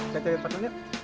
kita lepas dulu yuk